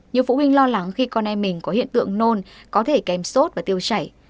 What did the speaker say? nhiều phụ huynh lo lắng khi con em mình có hiện tượng nôn có thể kèm sốt và tiêu chảy